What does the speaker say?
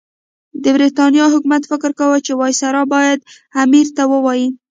د برټانیې حکومت فکر کاوه چې وایسرا باید امیر ته ووايي.